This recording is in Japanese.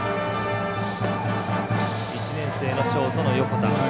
１年生のショートの横田。